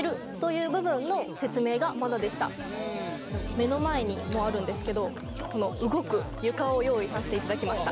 目の前にもうあるんですけどこの動く床を用意させていただきました。